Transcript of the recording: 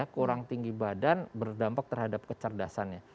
kurang tinggi badan berdampak terhadap kecerdasannya